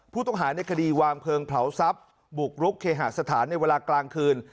ผู้ต้องหาในคดีวางเพลิงเผาทรัพย์บุกรุกเคหาสถานในเวลากลางคืน